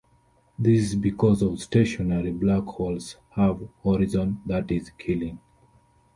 This is because all stationary black holes have a horizon that is Killing.